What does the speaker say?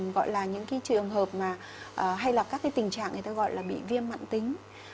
gọi là những cái trường hợp mà hay là các cái tình trạng người ta gọi là bị viêm mạn tính